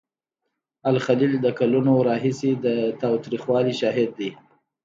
الخلیل د کلونو راهیسې د تاوتریخوالي شاهد دی.